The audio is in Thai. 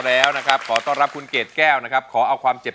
ดีขึ้นไหม